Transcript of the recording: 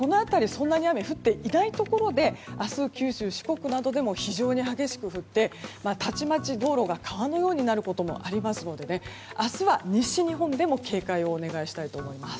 そんなに雨が降っていないところで明日、九州、四国で非常に激しく降ってたちまち、道路が川のようになることもありますので明日は西日本でも警戒をお願いしたいと思います。